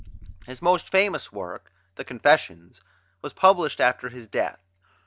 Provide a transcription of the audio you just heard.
His most famous work, the "Confessions," was published after his death.